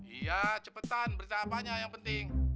iya cepetan berita apanya yang penting